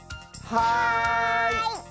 はい！